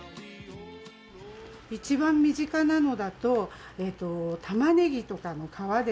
一番身近なのだとタマネギとかの皮でも。